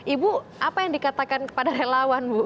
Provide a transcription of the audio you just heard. ibu apa yang dikatakan kepada relawan bu